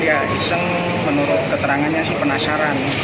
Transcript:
dan iseng menurut keterangannya penasaran